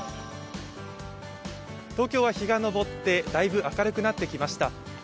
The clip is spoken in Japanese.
東京は日が昇ってだいぶ明るくなってきました。